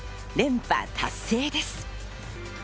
連覇達成です。